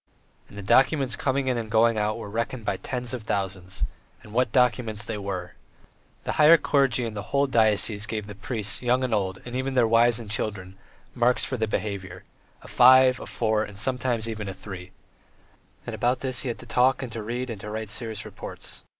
And the documents coming in and going out were reckoned by tens of thousands; and what documents they were! The higher clergy in the whole diocese gave the priests, young and old, and even their wives and children, marks for their behaviour a five, a four, and sometimes even a three; and about this he had to talk and to read and write serious reports.